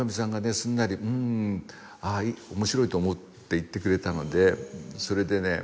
すんなり「うん面白いと思う」って言ってくれたのでそれでね